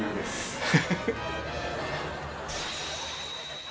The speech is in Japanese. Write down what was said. フフフ。